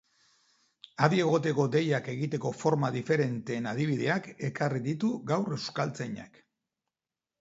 Adi egoteko deiak egiteko forma diferenteen adibideak ekarri ditu gaur euskaltzainak.